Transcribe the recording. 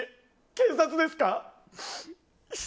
警察ですか？